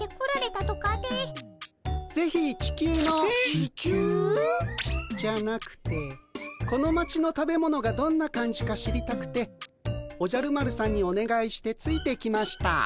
地球？じゃなくてこの町の食べ物がどんな感じか知りたくておじゃる丸さんにおねがいしてついてきました。